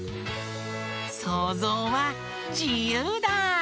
そうぞうはじゆうだ！